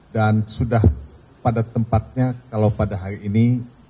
dan sudah pada tempatnya kalau pada hari ini